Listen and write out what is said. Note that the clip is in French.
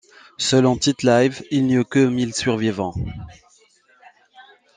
Selon Tite-Live il n'y eut que mille survivants.